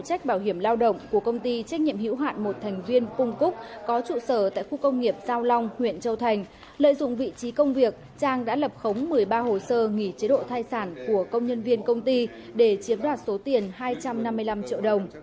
các bạn hãy đăng ký kênh để ủng hộ kênh của chúng mình nhé